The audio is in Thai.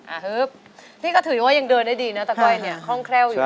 ฮึบนี่ก็ถือว่ายังเดินได้ดีนะตะก้อยเนี่ยคล่องแคล่วอยู่